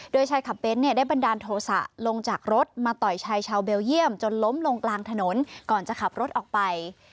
โดยชายขับเน้นได้บันดาลโทษะลงจากรถมาต่อยชายชาวเบลเยี่ยมจนล้มลงกลางถนนก่อนจะขับรถออกไป